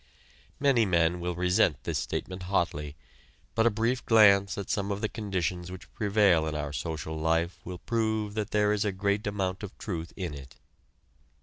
Many men will resent this statement hotly, but a brief glance at some of the conditions which prevail in our social life will prove that there is a great amount of truth in it.